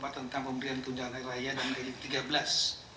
tentang pemberian tunjangan raya dalam tahun dua ribu tiga belas